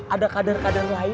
ada kandar kandar lain